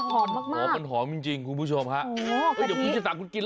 มันหอมมากคุณผู้ชมค่ะคุณผู้ชมค่ะคุณผู้ชมค่ะ